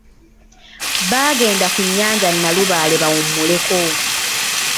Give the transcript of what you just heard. Baagenda ku nnyanja nalubaale bawummuleko.